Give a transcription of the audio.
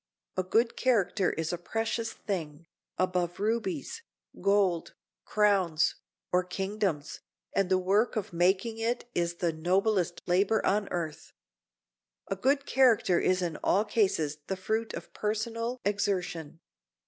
A good character is a precious thing, above rubies, gold, crowns, or kingdoms, and the work of making it is the noblest labor on earth. A good character is in all cases the fruit of personal exertion.